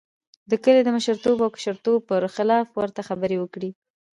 د کلي د مشرتوب او کشرتوب پر خلاف ورته خبرې وکړې.